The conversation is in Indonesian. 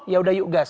yaudah yuk gas